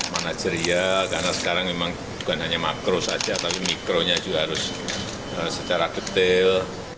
mana ceria karena sekarang memang bukan hanya makro saja tapi mikronya juga harus secara detail